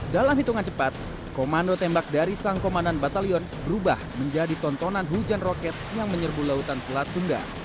dalam hitungan cepat komando tembak dari sang komandan batalion berubah menjadi tontonan hujan roket yang menyerbu lautan selat sunda